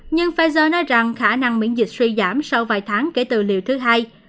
nhưng pfizer nói rằng khả năng miễn dịch suy giảm sau vài tháng kể từ liều thứ hai